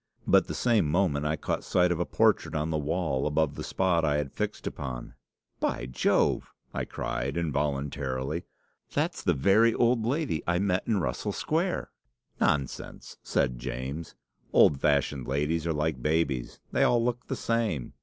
But the same moment I caught sight of a portrait on the wall above the spot I had fixed upon. 'By Jove!' I cried, involuntarily, 'that's the very old lady I met in Russell Square!' "'Nonsense!' said James. 'Old fashioned ladies are like babies they all look the same.